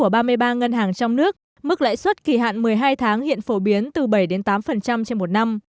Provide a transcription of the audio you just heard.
bức lãi suất kỳ hạn một mươi hai tháng hiện phổ biến từ bảy tám trên một năm